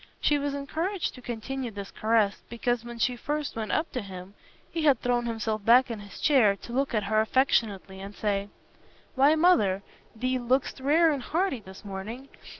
She was encouraged to continue this caress, because when she first went up to him, he had thrown himself back in his chair to look at her affectionately and say, "Why, Mother, thee look'st rare and hearty this morning.